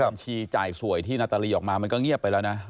บัญชีจ่ายสวยที่นาตาลีออกมามันก็เงียบไปแล้วนะ